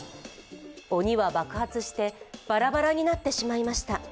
鬼は爆発してバラバラになってしまいました。